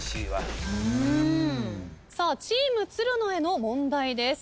さあチームつるのへの問題です。